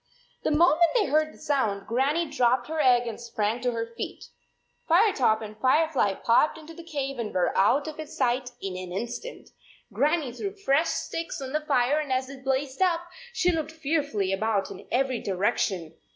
The moment they heard the sound, Gran nie dropped her egg and sprang to her feet. Firetop and Firefly popped into the cave and were out of sight in an instant. Gran nie threw fresh sticks on the fire, and as it blazed up, she looked fearfully about in every direction.